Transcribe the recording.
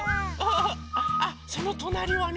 あそのとなりはね。